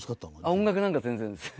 音楽なんか全然です。